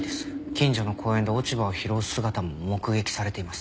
近所の公園で落ち葉を拾う姿も目撃されています。